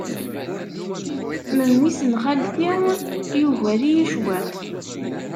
Memmi-s n xalti yugar-iyi cwiṭ.